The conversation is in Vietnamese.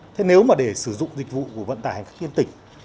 thế nếu mà để sử dụng dịch vụ của vận tài hành khách tiên tỉnh